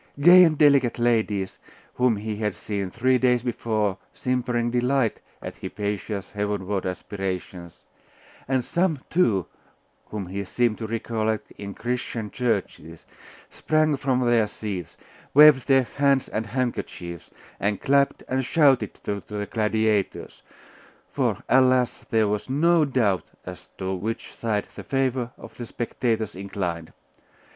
Gay and delicate ladies, whom he had seen three days before simpering delight at Hypatia's heavenward aspirations, and some, too, whom he seemed to recollect in Christian churches, sprang from their seats, waved their hands and handkerchiefs, and clapped and shouted to the gladiators. For, alas! there was no doubt as to which side the favour of the spectators inclined.